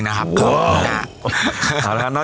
ผมจะมีรูปภาพของพระพิสุนุกรรม